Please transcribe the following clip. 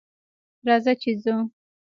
راځه چې ځو